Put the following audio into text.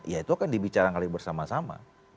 ya itu akan dibicarakan bersama sama